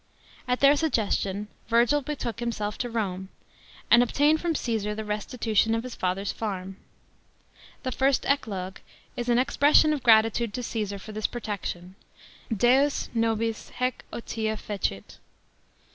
At their sug estion, Virgil betook himself to Rome, and obta'ned from Csesar the restitution ot his father's farm. The first Eclogue is an expression of gratitude to Caesar for this protection : deus nobis hcec oti<* fecit.